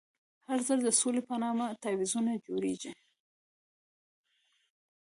هر ځل د سولې په نامه تعویضونه جوړېږي.